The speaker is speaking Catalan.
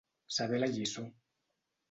Saber la lliçó.